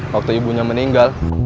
waktu ibunya meninggal